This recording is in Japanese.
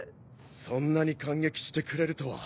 そんなに感激してくれるとは。